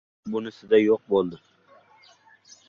Bunisida yo‘q bo‘ldi.